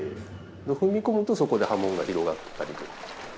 踏み込むとそこで波紋が広がったりとか。